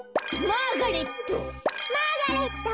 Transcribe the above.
マーガレット。